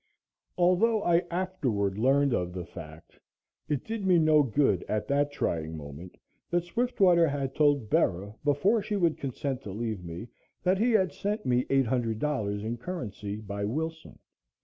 Although I afterward learned of the fact, it did me no good at that trying moment that Swiftwater had told Bera, before she would consent to leave me, that he had sent me $800 in currency by Wilson.